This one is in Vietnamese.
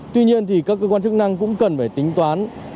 tuy nhiên thì các cơ quan chức năng cũng cần phải tính toán